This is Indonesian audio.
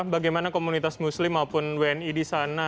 bagaimana komunitas muslim maupun wni di sana